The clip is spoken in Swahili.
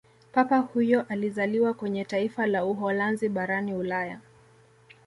papa huyo alizaliwa kwenye taifa la Uholanzi barani ulaya